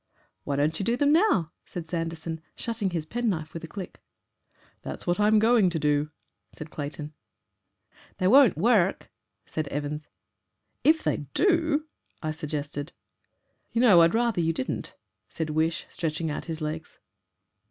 "Why don't you do them now?" said Sanderson, shutting his pen knife with a click. "That's what I'm going to do," said Clayton. "They won't work," said Evans. "If they do " I suggested. "You know, I'd rather you didn't," said Wish, stretching out his legs.